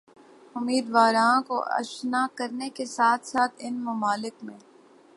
امیدواروں کو آشنا کرنے کے ساتھ ساتھ ان ممالک میں